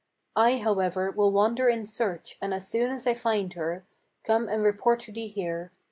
I, however, will wander in search, and as soon as I find her, Come and report to thee here."